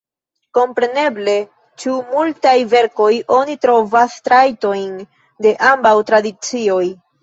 Kompreneble, ĉe multaj verkoj oni trovas trajtojn de ambaŭ tradicioj.